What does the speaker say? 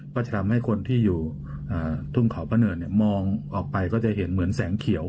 ก็จะทำให้คนที่อยู่ทุ่งเขาพระเนินมองออกไปก็จะเห็นเหมือนแสงเขียว